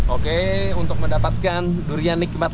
oke untuk mendapatkan durian nikmat